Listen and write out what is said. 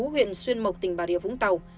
huyện xuyên mộc tỉnh bà rìa vũng tàu